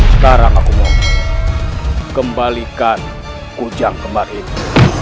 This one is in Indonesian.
sekarang aku mau kembalikan kuncak gemba ini